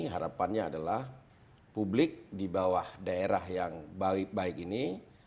harapannya adalah publik di bawah daerah yang baik baik ini